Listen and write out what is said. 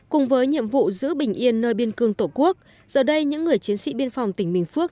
cùng với nhiệm vụ giữ bình yên nơi biên cương tổ quốc giờ đây những người chiến sĩ biên phòng tỉnh bình phước